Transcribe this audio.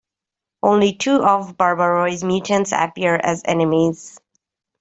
Only two of the Barbarois mutants appear as enemies.